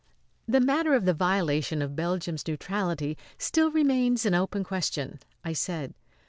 "The matter of the violation of Belgium's neutrality still remains an open question," I said.